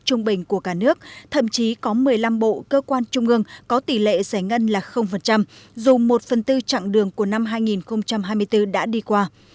trong bộ cơ quan trung ương có tỷ lệ giải ngân là dù một phần tư chặng đường của năm hai nghìn hai mươi bốn đã đi qua